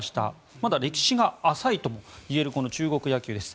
まだ歴史が浅いともいえるこの中国野球です。